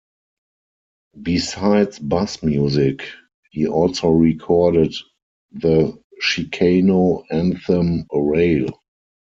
Besides bass music, he also recorded the Chicano anthem "Orale".